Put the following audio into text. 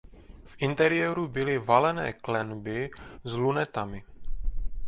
V interiéru byly valené klenby s lunetami.